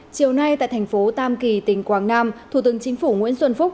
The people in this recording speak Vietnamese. chiều nay tại thành phố tam kỳ tỉnh quảng nam thủ tướng chính phủ nguyễn xuân phúc